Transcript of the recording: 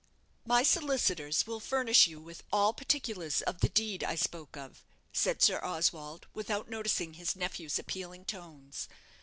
"My solicitors will furnish you with all particulars of the deed I spoke of," said Sir Oswald, without noticing his nephew's appealing tones.